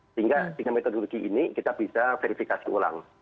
sehingga dengan metodologi ini kita bisa verifikasi ulang